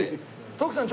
徳さん